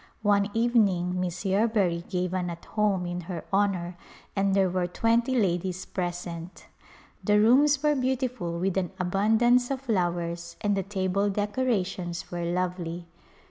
One evening Miss Yerbury gave an "At Home" in her honor and there were twenty ladies present. The rooms were beautiful with an abundance of flowers and the table decorations were lovely.